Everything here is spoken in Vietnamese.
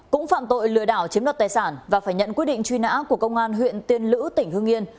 cũng phạm tội lừa đảo chiếm đoạt tài sản và phải nhận quyết định truy nã của công an huyện tiên lữ tỉnh hương yên